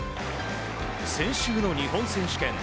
先週の日本選手権。